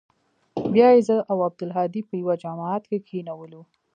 بيا يې زه او عبدالهادي په يوه جماعت کښې کښېنولو.